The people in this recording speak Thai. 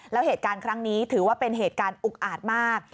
แล้วเหตุการณ์ครั้งนี้ถือว่าเป็นเหตุการณ์อุกอาจมาก